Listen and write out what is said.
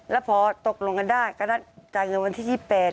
แล้วพอตกลงกันได้ก็ได้จ่ายเงินวันที่๒๘